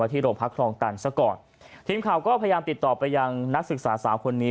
ทีมข่าวก็เพิ่มติดต่อไปยังนักศึกษา๓คนนี้